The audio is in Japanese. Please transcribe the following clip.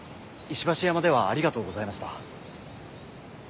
石橋山ではありがとうございました。